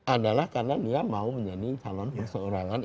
adalah karena dia mau menjadi calon perseorangan